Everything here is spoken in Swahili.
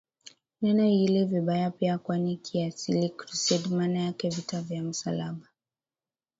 neno hili vibaya pia kwani kiasili Crusade maana yake Vita vya Msalaba